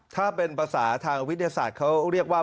ถ้าเป็นภาษาทางวิทยาศาสตร์เขาเรียกว่า